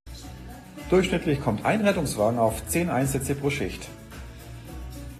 Durchschnittlich kommt ein Rettungswagen auf zehn Einsätze pro Schicht.